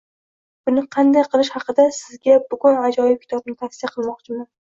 Buni qanday qilish haqida sizga bugun ajoyib kitobni tavsiya qilmoqchiman.